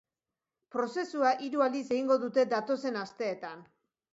Prozesua hiru aldiz egingo dute datozen asteetan.